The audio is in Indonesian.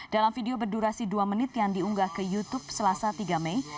dalam video berdurasi dua menit yang diunggah ke youtube selasa tiga mei